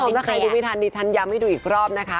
ถ้าใครดูไม่ทันดิฉันย้ำให้ดูอีกรอบนะคะ